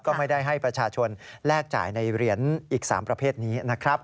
ก็ไม่ได้ให้ประชาชนแลกจ่ายในเหรียญอีก๓ประเภทนี้นะครับ